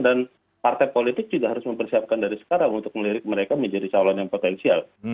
dan partai politik juga harus mempersiapkan dari sekarang untuk melirik mereka menjadi calon yang potensial